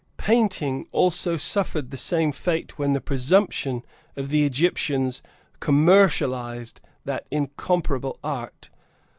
Painting also suffered the same fate when the presumption of the Egyptians "commercialized" that incomparable art.